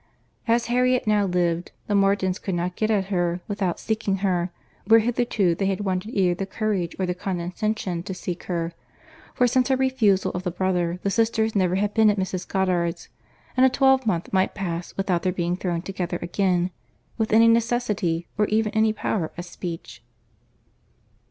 As Harriet now lived, the Martins could not get at her, without seeking her, where hitherto they had wanted either the courage or the condescension to seek her; for since her refusal of the brother, the sisters never had been at Mrs. Goddard's; and a twelvemonth might pass without their being thrown together again, with any necessity, or even any power of speech.